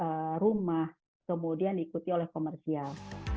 kemudian diikuti oleh rumah kemudian diikuti oleh komersial